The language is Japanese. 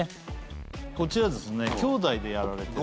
こちらですね兄弟でやられてる。